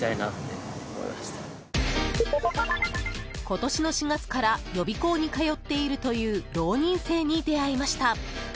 今年の４月から予備校に通っているという浪人生に出会いました。